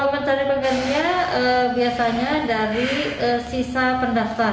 pencari penggantinya biasanya dari sisa pendaftar